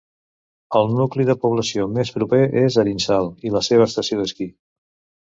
El nucli de població més proper és Arinsal i la seva estació d'esquí.